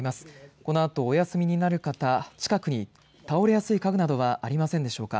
このあと、お休みになる方近くに倒れやすい家具などはありませんでしょうか。